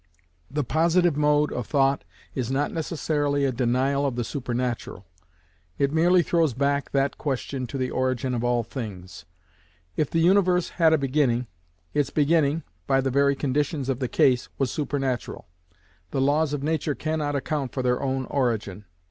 The Positive mode of thought is not necessarily a denial of the supernatural; it merely throws back that question to the origin of all things. If the universe had a beginning, its beginning, by the very conditions of the case, was supernatural; the laws of nature cannot account for their own origin.